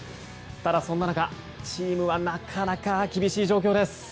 ただそんな中、チームはなかなか厳しい状況です。